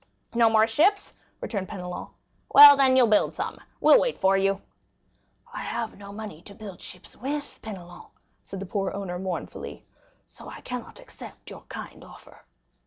"No more ships!" returned Penelon; "well, then, you'll build some; we'll wait for you." "I have no money to build ships with, Penelon," said the poor owner mournfully, "so I cannot accept your kind offer."